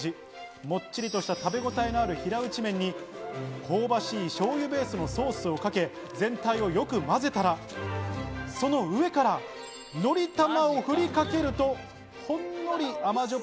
もっちりとした食べごたえのある平打ち麺に香ばしい醤油ベースのソースをかけ、全体をよくまぜたら、その上から、のりたまをふりかけると、ほんのり甘じょっ